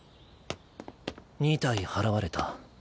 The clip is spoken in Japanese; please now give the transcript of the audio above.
２体祓われた。